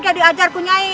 pasti gak diajar ku nyai